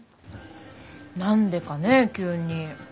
何でかね急に。